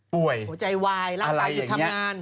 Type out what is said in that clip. เพราะใจวายร่างกายผิดทำงาน